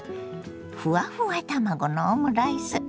ふわふわ卵のオムライス